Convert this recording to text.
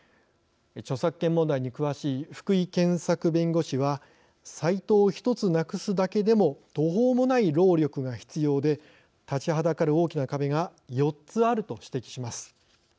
著作権問題に詳しい福井健策弁護士はサイトを１つなくすだけでも途方もない労力が必要で立ちはだかる大きな壁が４つあると指摘します。